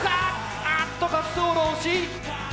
あっと滑走路惜しい！